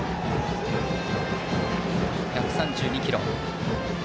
１３２キロ。